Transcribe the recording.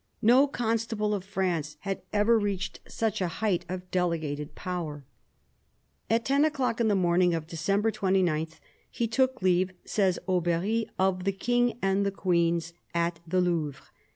No Constable of France had ever reached such a height of delegated power. At ten o'clock in the morning of December 29 he took leave, says Aubery, of the King and the Queens at the Louvre.